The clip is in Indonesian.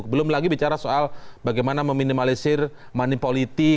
belum lagi bicara soal bagaimana meminimalisir manipoliti